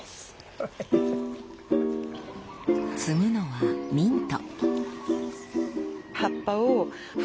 摘むのはミント。